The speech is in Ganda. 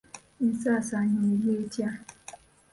Ensaasaanya eri etya?